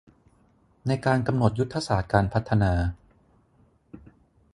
ในการกำหนดยุทธศาสตร์การพัฒนา